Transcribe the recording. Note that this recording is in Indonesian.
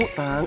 ayo atu turun